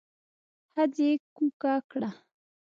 ښځې کوکه کړه.